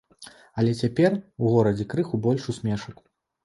Але цяпер у горадзе крыху больш усмешак.